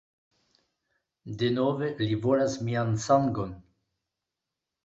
Denove, li volas mian sangon!